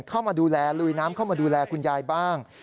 เข้ามาดูแลลุยน้ำเข้ามาดูแลคุณยายบ้าง